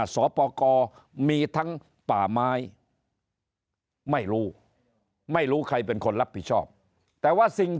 สปกรมีทั้งป่าไม้ไม่รู้ไม่รู้ใครเป็นคนรับผิดชอบแต่ว่าสิ่ง